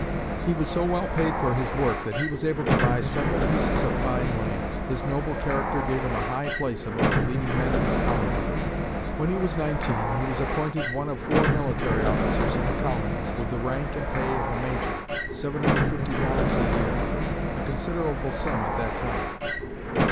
He was so well paid for his work that he was able to buy several pieces of fine land. His noble character gave him a high place among the leading men of his colony. When he was nineteen, he was appointed one of four military officers in the colonies, with the rank and pay of a major, $750 a year a considerable sum at that time.